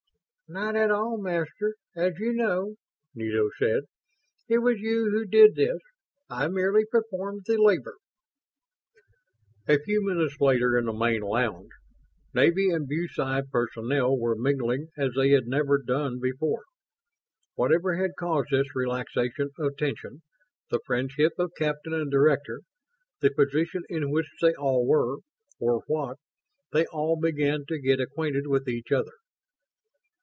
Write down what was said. "Not at all, Master, as you know," Nito said. "It was you who did this. I merely performed the labor." A few minutes later, in the main lounge, Navy and BuSci personnel were mingling as they had never done before. Whatever had caused this relaxation of tension the friendship of captain and director? The position in which they all were? Or what? they all began to get acquainted with each other.